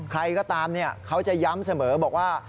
ใครก็ตามเขาจะย้ำเสมอบอกว่า